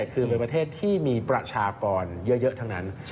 คือเป็นประเทศที่มีประชากรเยอะทั้งนั้น